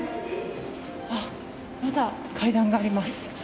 まだ階段があります。